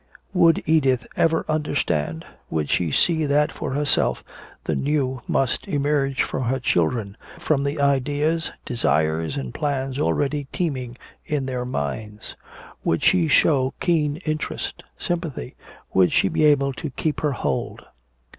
Would Edith ever understand? Would she see that for herself the new must emerge from her children, from the ideas, desires and plans already teeming in their minds? Would she show keen interest, sympathy? Would she be able to keep her hold?